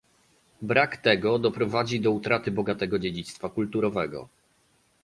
Brak tego doprowadzi do utraty bogatego dziedzictwa kulturowego